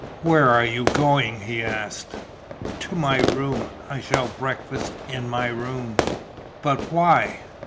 "Where are you going?" he asked. "To my room. I shall breakfast in my room." "But why?"